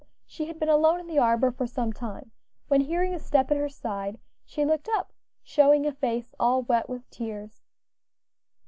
She had been alone in the arbor for some time, when, hearing a step at her side, she looked up, showing a face all wet with tears.